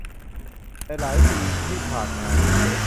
ในหลายปีที่ผ่านมา